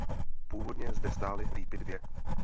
Původně zde stály lípy dvě.